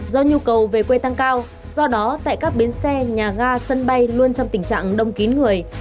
do nhu cầu về quê tăng cao do đó tại các bến xe nhà ga sân bay luôn trong tình trạng đông kín người